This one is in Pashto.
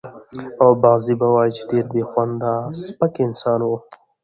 او بعضې به وايي چې ډېر بې خونده سپک انسان و.